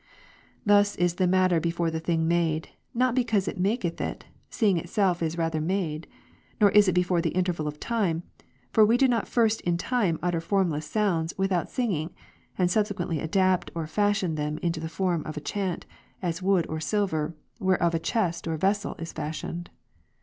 Thus is the matter before the thing made''; not because it maketh it, seeing itself is rather made ; nor is it before by interval of time ; for we do not first in time utter formless sounds without singing, and subsequently adapt or fashion them into the form of a chant, as wood or silver, whereof a chest or vessel is fashioned.